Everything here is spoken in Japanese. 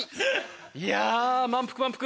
いや満腹満腹！